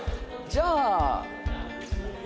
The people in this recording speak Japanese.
じゃあ。